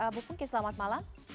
bu pungki selamat malam